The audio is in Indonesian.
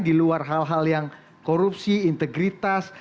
di luar hal hal yang korupsi integritas